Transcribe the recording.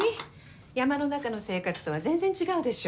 山の中の生活とは全然違うでしょ？